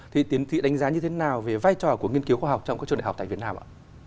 thì tiến sĩ đánh giá như thế nào về vai trò của nghiên cứu khoa học trong các trường đại học tại việt nam ạ